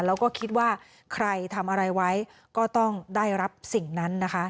แล้วก็คิดว่าใครทำอะไรไว้ก็ต้องได้รับสิ่งนั้นนะคะ